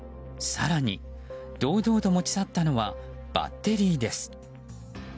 更に、堂々と持ち去ったのはバッテリーです。